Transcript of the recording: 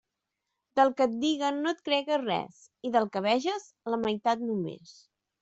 Del que et diguen no et cregues res, i del que veges, la meitat només.